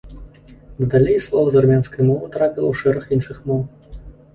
Надалей слова з армянскай мовы трапіла ў шэраг іншых моў.